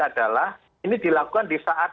adalah ini dilakukan di saat